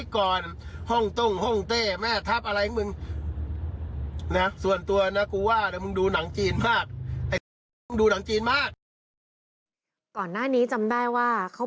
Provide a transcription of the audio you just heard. คือพูดง่ายไม่ให้ราคา